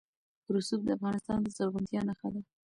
رسوب د افغانستان د زرغونتیا نښه ده.